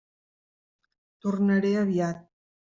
Tornaré aviat.